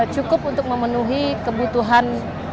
cukup untuk memenuhi kebutuhan